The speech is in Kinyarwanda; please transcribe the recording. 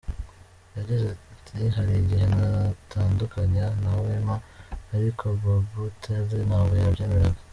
Yagize ati “Hari igihe natandukanye na Wema ariko Babu Tale ntabwo yabyemeraga.